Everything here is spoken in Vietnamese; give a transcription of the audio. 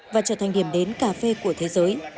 và trở thành điểm đến cà phê của thế giới